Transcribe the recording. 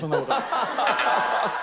ハハハハハ！